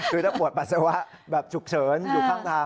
คือถ้าปวดปัสสาวะแบบฉุกเฉินอยู่ข้างทาง